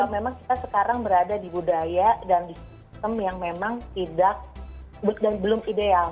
memang kita sekarang berada di budaya dan sistem yang memang tidak belum ideal